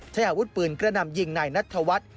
ใช้อาวุธปืนกระนำยิงนายนัทธวัฒน์